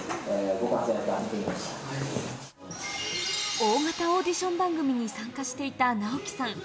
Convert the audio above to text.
大型オーディション番組に参加していたナオキさん。